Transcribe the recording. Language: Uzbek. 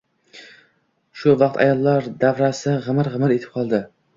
Shu vaqt ayollar davrasi g‘imir-g‘imir etib qoldi.